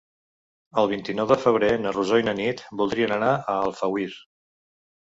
El vint-i-nou de febrer na Rosó i na Nit voldrien anar a Alfauir.